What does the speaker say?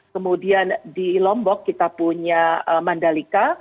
kemudian di lombok kita punya mandalika